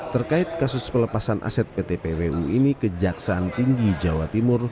terkait kasus pelepasan aset pt pwu ini kejaksaan tinggi jawa timur